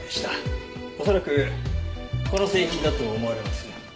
恐らくこの製品だと思われます。